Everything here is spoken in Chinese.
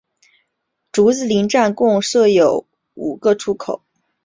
竹子林站共设有五个出口。